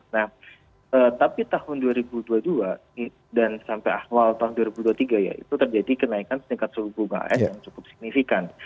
nah tapi tahun dua ribu dua puluh dua dan sampai awal tahun dua ribu dua puluh tiga ya itu terjadi kenaikan tingkat suku bunga as yang cukup signifikan